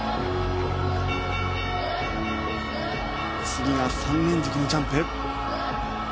次が３連続のジャンプ。